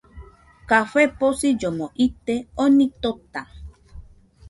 Café posillomo ite , oni tota